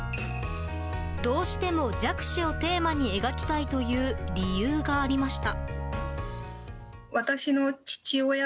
どうしても弱視をテーマに描きたいという理由がありました。